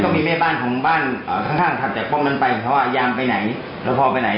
มีแม่บ้านของบ้านข้างถัดจากป้องนั้นไปเพราะว่ายามไปไหนแล้วพ่อไปไหน